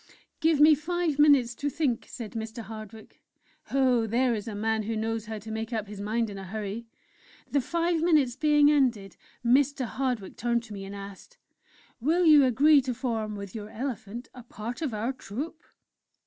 "'Give me five minutes to think,' said Mr. Hardwick. Oh! there is a man who knows how to make up his mind in a hurry! The five minutes being ended, Mr. Hardwick turned to me and asked: "'Will you agree to form, with your elephant, a part of our Troupe?'